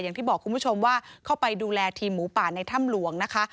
อย่างที่บอกคุณผู้ชมว่าเข้าไปดูแลทีมหมูป่าในถ้ำหลวงนะคะ